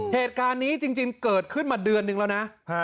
เหตุการณ์นี้จริงเกิดขึ้นมาเดือนนึงแล้วนะ